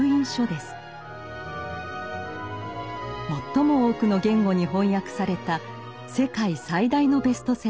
最も多くの言語に翻訳された世界最大のベストセラー。